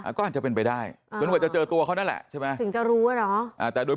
อาจจะเป็นไปได้จะเจอตัวค่ะแล้วใช่ไหมถึงจะรู้แต่โดย